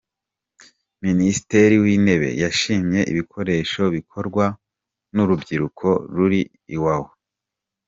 Minisitiri w’Intebe yashimye ibikoresho bikorwa n’urubyiruko ruri i Wawa.